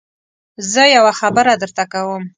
زه يوه خبره درته کوم.